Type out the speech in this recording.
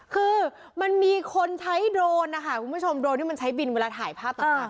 คือมันมีคนใช้โดรนนะคะคุณผู้ชมโรนที่มันใช้บินเวลาถ่ายภาพต่าง